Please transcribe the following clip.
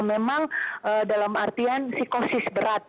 memang dalam artian psikosis berat